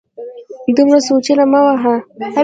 دومره سوچونه مه وهه